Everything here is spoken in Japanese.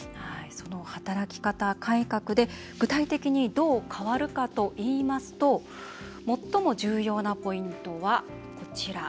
その働き方改革で具体的にどう変わるかといいますと最も重要なポイントは、こちら。